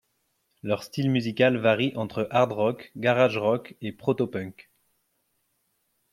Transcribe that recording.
Leur style musical varie entre hard rock, garage rock et protopunk.